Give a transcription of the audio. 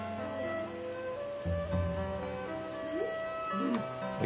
うん！